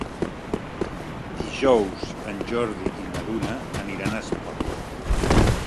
Dijous en Jordi i na Duna aniran a Espot.